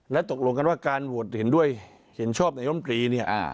ตกลงกันว่าการโหวตเห็นด้วยเห็นชอบนายรมตรีเนี่ย